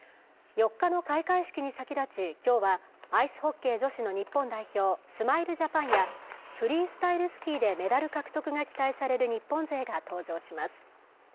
４日の開会式に先立ち今日はアイスホッケー女子の日本代表スマイルジャパンやフリースタイルスキーでメダル獲得が期待される日本勢が登場します